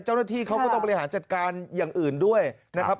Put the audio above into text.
เจ้าหน้าที่เขาก็ต้องบริหารจัดการอย่างอื่นด้วยนะครับ